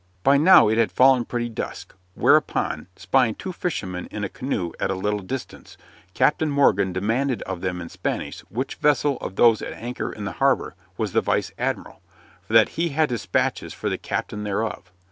By now it had fallen pretty dusk, whereupon, spying two fishermen in a canoe at a little distance, Captain Morgan demanded of them in Spanish which vessel of those at anchor in the harbor was the vice admiral, for that he had dispatches for the captain thereof.